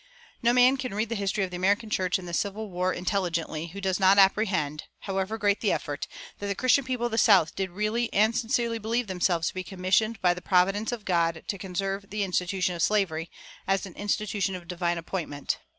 No man can read the history of the American church in the Civil War intelligently who does not apprehend, however great the effort, that the Christian people of the South did really and sincerely believe themselves to be commissioned by the providence of God to "conserve the institution of slavery" as an institution of "divine appointment."